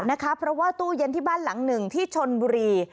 เพราะว่าตู้เย็นที่บ้านหลังหนึ่งที่ชนบุรี